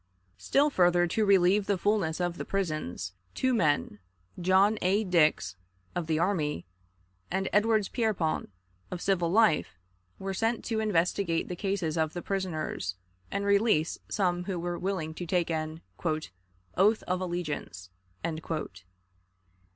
Still further to relieve the fullness of the prisons, two men, John A. Dix, of the army, and Edwards Pierrepont, of civil life, were sent to investigate the cases of the prisoners, and release some who were willing to take an "oath of allegiance."